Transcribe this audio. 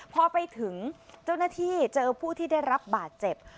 พอไปถึงเจ้าหน้าที่เจอผู้ที่ได้รับบาดเจ็บ